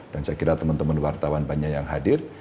dan saya kira teman teman wartawan banyak yang hadir